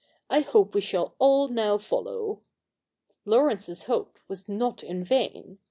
I hope we shall all now follow.' Laurence's hope was not in vain.